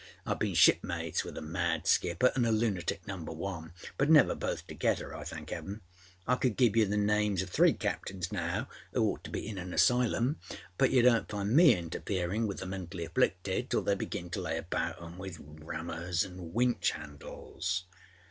Iâve been shipmates with a mad skipperâanâ a lunatic Number One, but never both together I thank âEaven. I could give you the names oâ three captains now âoo ought to be in an asylum, but you donât find me interferinâ with the mentally afflicted till they begin to lay about âem with rammers anâ winch handles.